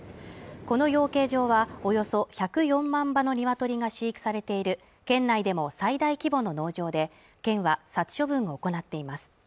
この養鶏場はおよそ１０４万羽のニワトリが飼育されている県内でも最大規模の農場で県は殺処分を行っています